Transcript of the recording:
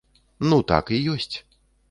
Ну так і ёсць.